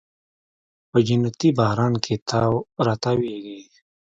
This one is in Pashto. په جنتي باران کې تاو راتاویږې